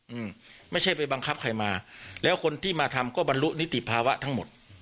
อืมไม่ใช่ไปบังคับใครมาแล้วคนที่มาทำก็บรรลุนิติภาวะทั้งหมด